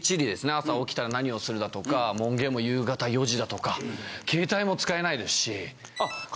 朝起きたら何をするだとか門限も夕方４時だとか携帯も使えないですし。